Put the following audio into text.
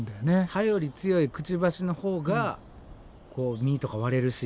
歯より強いくちばしのほうがこう実とか割れるし。